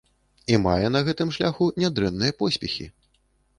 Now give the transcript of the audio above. І мае на гэтым шляху нядрэнныя поспехі.